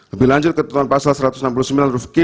lebih lanjut ketentuan pasal satu ratus enam puluh sembilan huruf q